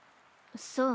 そう？